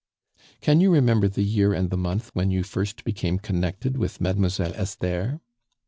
"Can you remember the year and the month when you first became connected with Mademoiselle Esther?"